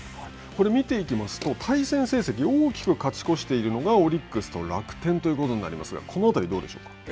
これ見ていきますと、対戦成績、大きく勝ち越しているのが、オリックスと楽天ということになりますが、このあたりはどうでしょう